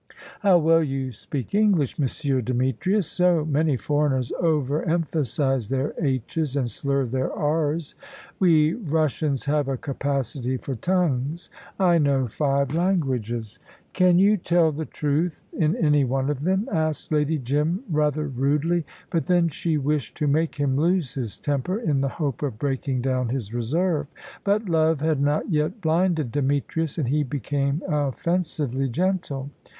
"How well you speak English, Monsieur Demetrius! So many foreigners over emphasise their 'h's', and slur their 'r's.'" "We Russians have a capacity for tongues. I know five languages." "Can you tell the truth in any one of them?" asked Lady Jim, rather rudely; but then she wished to make him lose his temper, in the hope of breaking down his reserve. But love had not yet blinded Demetrius, and he became offensively gentle.